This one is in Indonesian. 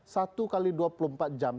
satu kali dua puluh empat jam tidak keluar